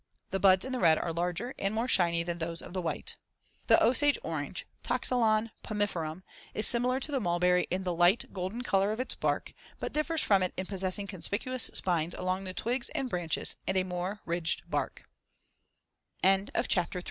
The buds in the red are larger and more shiny than those of the white. The Osage orange (Toxylon pomiferum) is similar to the mulberry in the light, golden color of its bark, but differs from it in possessing conspicuous spines along the twigs and branches